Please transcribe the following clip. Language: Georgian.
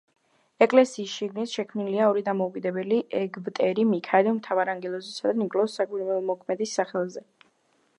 ეკლესიის შიგნით შექმნილია ორი დამოუკიდებელი ეგვტერი მიქაელ მთავარანგელოზისა და ნიკოლოზ საკვირველთმოქმედის სახელზე.